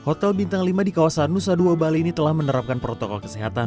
hotel bintang lima di kawasan nusa dua bali ini telah menerapkan protokol kesehatan